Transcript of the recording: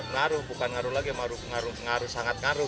ngaruh bukan ngaruh lagi pengaruh sangat ngaruh